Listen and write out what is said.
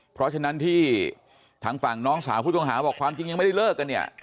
เพราะฉะนั้นที่ทางฝั่งน้องสาวผู้ต้องหาบอกความจริงยังไม่ได้เลิกกันเนี่ย